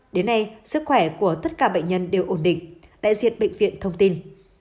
đến nay sức khỏe của tất cả bệnh nhân đều ổn định đại diện bệnh viện thông tin